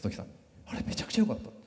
あれめちゃくちゃよかった。